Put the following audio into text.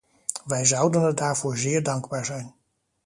Wij zouden het daarvoor zeer dankbaar zijn.